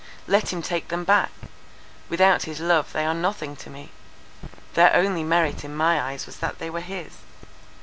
Let him take them back; without his love they are nothing to me. Their only merit in my eyes was that they were his."